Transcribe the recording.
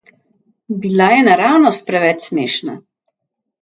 Bila je naravnost preveč smešna.